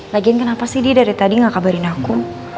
lagian kenapa sih dia dari tadi gak kabarin aku